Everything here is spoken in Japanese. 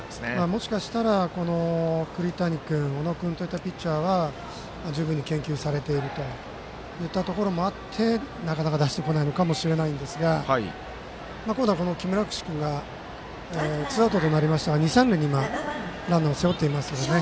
もしかしたら栗谷君、小野君といったピッチャーは十分に研究されているといったところもあってなかなか出してこないのかもしれませんがツーアウトとなりましたが二三塁にランナーを背負っていますよね。